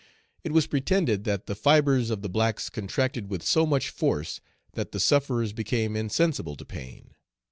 It was pretended that the fibres of the blacks contracted with so much force that the sufferers became insensible to pain.